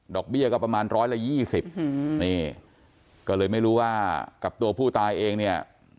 เบี้ยก็ประมาณร้อยละ๒๐นี่ก็เลยไม่รู้ว่ากับตัวผู้ตายเองเนี่ย